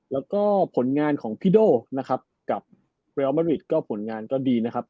แล้วก็ผลงานของพี่โด่นะครับกับเรียลมริดก็ผลงานก็ดีนะครับ